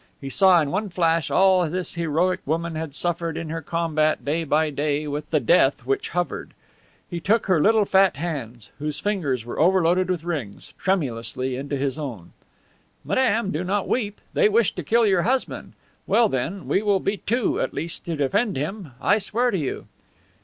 He saw in one flash all this heroic woman had suffered in her combat day by day with the death which hovered. He took her little fat hands, whose fingers were overloaded with rings, tremulously into his own: "Madame, do not weep. They wish to kill your husband. Well then, we will be two at least to defend him, I swear to you."